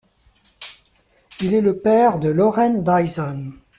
Il est le père de Lauren Dyson.